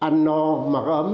ăn no mặc ấm